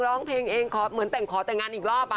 ร้องเพลงเองขอเหมือนแต่งขอแต่งงานอีกรอบ